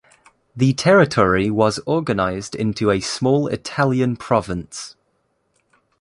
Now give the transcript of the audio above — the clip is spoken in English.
The territory was organized into a small Italian province.